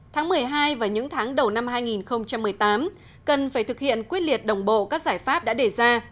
tháng một mươi hai và những tháng đầu năm hai nghìn một mươi tám cần phải thực hiện quyết liệt đồng bộ các giải pháp đã đề ra